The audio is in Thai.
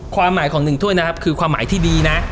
ความหมายของ๑ถ้วยนะครับคือความหมายที่ดีนะ